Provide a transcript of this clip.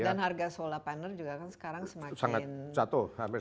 dan harga solar panel juga kan sekarang semakin